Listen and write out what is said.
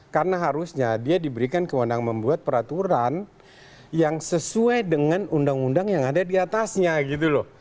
karena harusnya dia diberikan keundangan membuat peraturan yang sesuai dengan undang undang yang ada diatasnya gitu loh